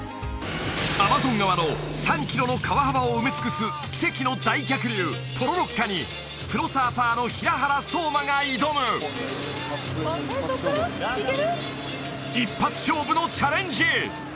アマゾン川の３キロの川幅を埋め尽くす奇跡の大逆流ポロロッカにプロサーファーの平原颯馬が挑む一発勝負のチャレンジ！